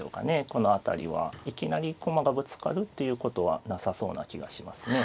この辺りはいきなり駒がぶつかるっていうことはなさそうな気がしますね。